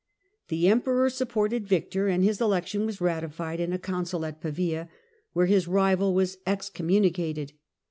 The Emperor supported Victor, and his election was ratified in a Council at Pavia, where his rival was excommuni cated.